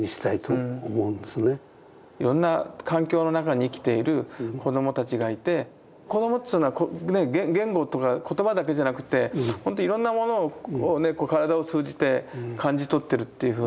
いろんな環境の中に生きている子どもたちがいて子どもというのは言語とか言葉だけじゃなくていろんなものを体を通じて感じ取ってるっていうふうに。